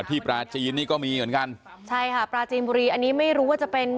ปลาจีนนี่ก็มีเหมือนกันใช่ค่ะปลาจีนบุรีอันนี้ไม่รู้ว่าจะเป็น